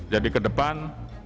jadi ke depan